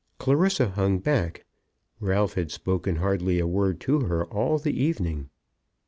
Clarissa hung back. Ralph had spoken hardly a word to her all the evening.